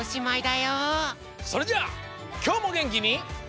それじゃあきょうもげんきに。